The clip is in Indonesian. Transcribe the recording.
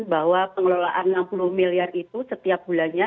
bahwa pengelolaan enam puluh miliar itu setiap bulannya